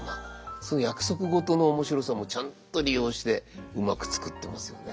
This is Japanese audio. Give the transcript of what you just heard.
その約束事の面白さもちゃんと利用してうまく作ってますよね。